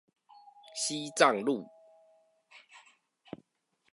西藏路